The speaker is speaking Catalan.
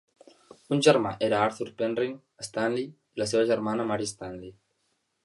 Un germà era Arthur Penrhyn Stanley i la seva germana Mary Stanley.